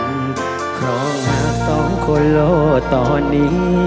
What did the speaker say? เพราะหากสองคนโล่ตอนนี้